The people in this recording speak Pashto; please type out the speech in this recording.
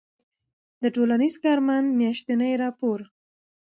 د ټـولنیـز کارمنــد میاشتنی راپــور